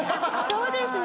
そうですね。